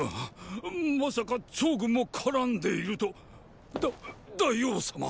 まさか趙軍も絡んでいると⁉だ大王様！